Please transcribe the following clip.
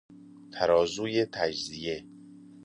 ترازوی تجزیه